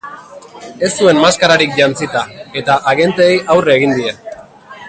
Ez zuen maskararik jantzita, eta agenteei aurre egin die.